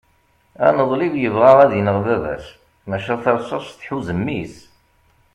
aneḍlib yebɣa ad ineɣ baba-s maca tarsast tḥuz mmi-s